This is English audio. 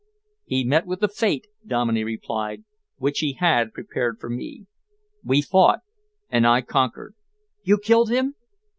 "He met with the fate," Dominey replied, "which he had prepared for me. We fought and I conquered." "You killed him?"